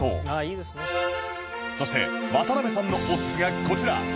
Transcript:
そして渡辺さんのオッズがこちら